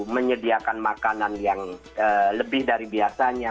menyediakan makanan yang lebih dari biasanya